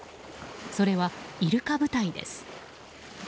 それはイルカ部隊です。